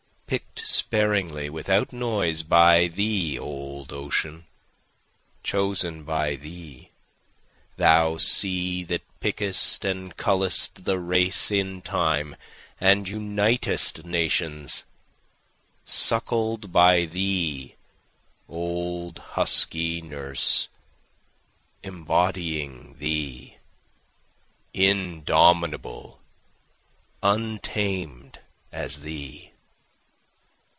Pick'd sparingly without noise by thee old ocean, chosen by thee, Thou sea that pickest and cullest the race in time, and unitest nations, Suckled by thee, old husky nurse, embodying thee, Indomitable, untamed as thee.